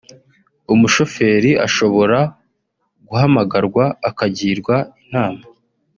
umushoferi ashobora guhamagarwa akagirwa inama